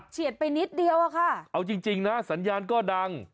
เฉียดไปนิดเดียวอะค่ะเอาจริงจริงนะสัญญาณก็ดัง